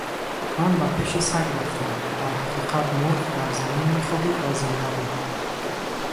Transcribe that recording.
Ман ба пеши саг рафтам, дар ҳақиқат мурғ дар замин мехобид ва зинда буд.